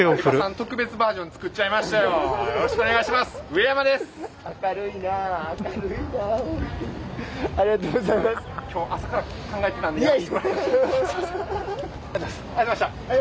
特別バージョン作っちゃいましたよ。